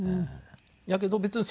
やけど別に